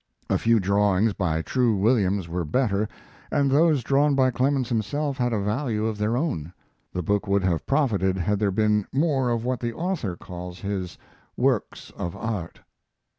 A few drawings by True Williams were better, and those drawn by Clemens himself had a value of their own. The book would have profited had there been more of what the author calls his "works of art."